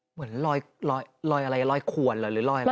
เหมือนรอยอะไรรอยขวนหรือรอยอะไร